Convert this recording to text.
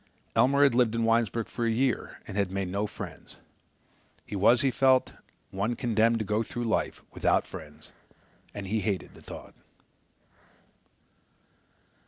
Elmer had lived in Winesburg for a year and had made no friends. He was, he felt, one condemned to go through life without friends and he hated the thought.